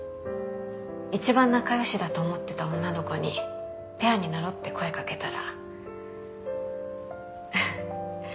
一番仲良しだと思ってた女の子にペアになろって声掛けたらフフ